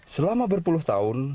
selama berpuluh tahun